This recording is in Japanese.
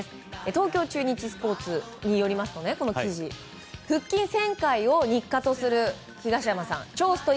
東京中日スポーツによりますと腹筋１０００回を日課とする東山さん